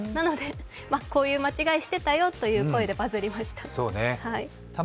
こういう間違いしてたよという声でバズりました。